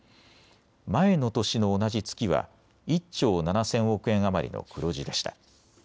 前の年の同じ月は１兆７０００億円余りの黒字でした。